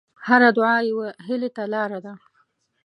هره دعا یوه هیلې ته لاره ده.